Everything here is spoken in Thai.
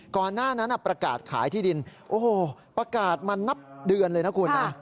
ก่อนหน้านั้นประกาศขายที่ดินโอ้โหประกาศมานับเดือนเลยนะคุณนะ